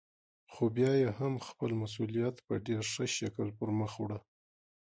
خو بيا يې هم خپل مسئوليت په ډېر ښه شکل پرمخ وړه.